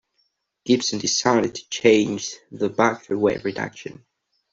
Gibson decided to change the back for weight reduction.